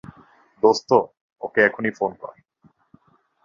দোস্ত, ওকে এখুনি ফোন কর।